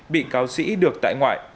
bị cáo sĩ được tại ngoại